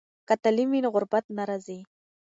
که تعلیم وي نو غربت نه راځي.